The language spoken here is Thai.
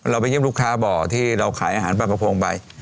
ไปเยี่ยมลูกค้าบ่อที่เราขายอาหารปลากระโพงไป